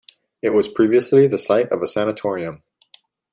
It was previously the site of a sanatorium.